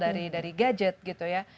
dari ponsel dari gadget gitu ya